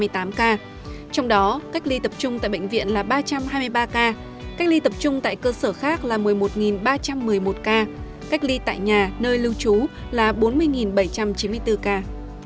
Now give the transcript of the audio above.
trong đó cách ly tập trung tại bệnh viện là ba trăm hai mươi ba ca cách ly tập trung tại cơ sở khác là một mươi một ba trăm một mươi một ca cách ly tại nhà nơi lưu trú là bốn mươi bảy trăm chín mươi bốn ca